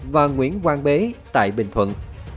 và nguyễn quang bế tại bình thuận